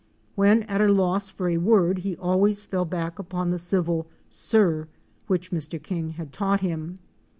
When at a loss for a word he always fell back upon the civil "Sir"? which Mr. King had taught him.